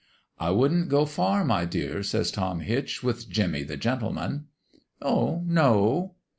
"' I wouldn't go far, my dear,' says Tom Hitch, with Jimmie the Gentleman.' "' Oh, no